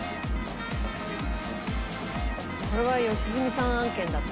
これは良純さん案件だったな。